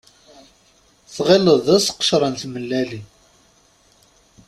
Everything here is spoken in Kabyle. Tɣileḍ d seqcer n tmellalin.